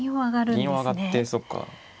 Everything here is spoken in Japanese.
銀を上がってそうか。